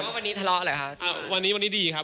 แต่ว่าวันนี้ทะเลาะหรือครับ